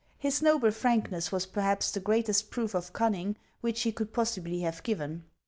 His noble frankness was perhaps the greatest proof of cunning which he could possibly have given.